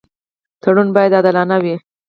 تړون باید عادلانه وي.